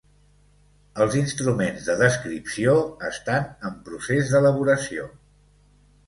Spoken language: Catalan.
Els instruments de descripció estan en procés d'elaboració.